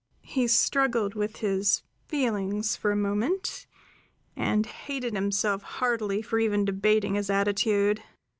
He struggled with his feelings for a moment, and hated himself heartily for even debating his attitude.